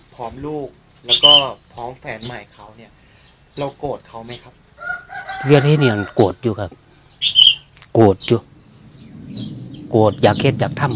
พร้อมลูกแล้วก็พร้อมแฟนใหม่เขาเนี่ยเรากลวโตเขาไม่ครับ